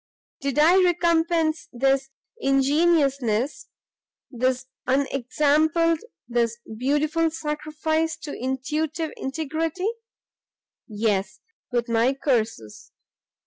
"Did I recompense this ingenuousness? this unexampled, this beautiful sacrifice to intuitive integrity? Yes! with my curses!